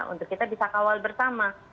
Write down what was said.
untuk kita bisa kawal bersama